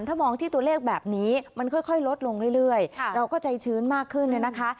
ถ้ามองที่ตัวเลขแบบนี้มันค่อยลดลงเรื่อยเราก็ใจชื้นมากขึ้นเนี่ยนะคะ